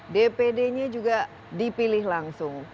dpd nya juga dipilih langsung